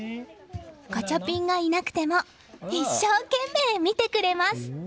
ガチャピンがいなくても一生懸命見てくれます！